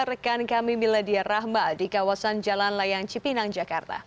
rekan kami miladia rahma di kawasan jalan layang cipinang jakarta